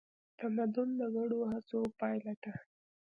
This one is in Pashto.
تمدن د ګډو هڅو پایله ده.